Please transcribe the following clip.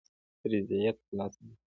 رضاییت تر لاسه نه کړ.